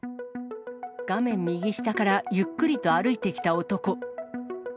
画面右下からゆっくりと歩いてきた男。